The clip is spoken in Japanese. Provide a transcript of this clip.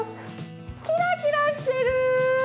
キラキラしてる！